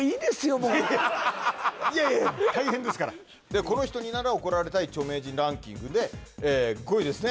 僕いやいやいや大変ですからこの人になら怒られたい著名人ランキングで５位ですね